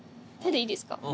手でいいですか？